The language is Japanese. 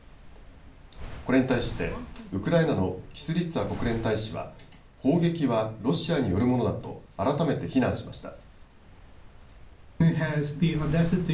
これに対してウクライナのキスリツァ国連大使は砲撃はロシアによるものだと改めて非難しました。